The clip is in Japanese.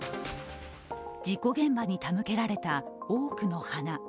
事故現場に手向けられた多くの花。